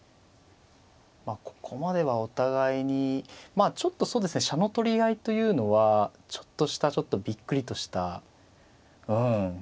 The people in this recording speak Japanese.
ここまではお互いにちょっとそうですね飛車の取り合いというのはちょっとしたびっくりとしたうん。